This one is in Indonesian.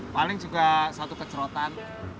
paling juga satu kecerotan